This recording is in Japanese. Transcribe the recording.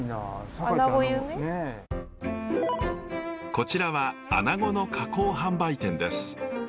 こちらはアナゴの加工販売店です。